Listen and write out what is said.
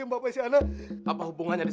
nah terus yang kawin ini syarif